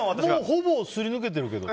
ほぼすり抜けてるけど。